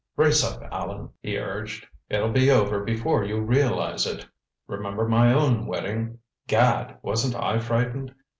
"Brace up, Allan," he urged. "It'll be over before you realize it. Remember my own wedding gad, wasn't I frightened?